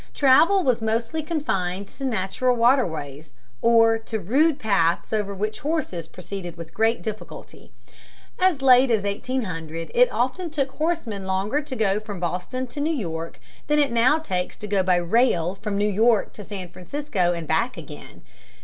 Travel was mostly confined to natural waterways, or to rude paths over which horses proceeded with great difficulty. As late as 1800 it often took a horseman longer to go from Boston to New York than it now takes to go by rail from New York to San Francisco and back again.